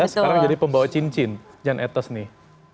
sekarang jadi pembawa cincin jan etes nih